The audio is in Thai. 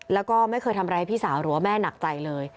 แล้วก็ไม่เคยทำร้ายพี่สาวหรือว่าแม่หนักใจเลย